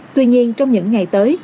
tuy nhiên trong những ngày tới